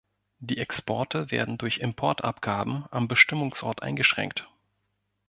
Die Exporte werden durch Importabgaben am Bestimmungsort eingeschränkt.